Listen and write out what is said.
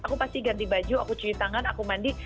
aku pasti ganti baju aku cuci tangan aku mandi